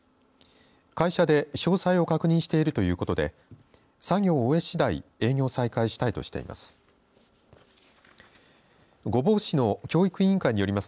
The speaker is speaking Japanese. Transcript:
会社で詳細を確認しているということで作業を終えしだい営業再開したいとしています。